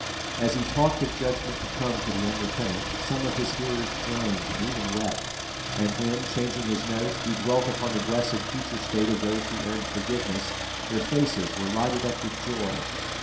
As he talked of judgment to come for the unrepentant, some of his hearers groaned and even wept; and when, changing his note, he dwelt upon the blessed future state of those who earned forgiveness, their faces were lighted up with joy.